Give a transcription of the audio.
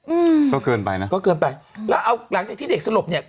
อืมก็เกินไปนะก็เกินไปแล้วเอาหลังจากที่เด็กสลบเนี้ย